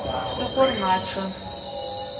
Псыхъор мачъэ.